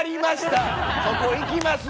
そこ行きます